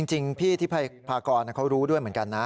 จริงพี่ที่พากรเขารู้ด้วยเหมือนกันนะ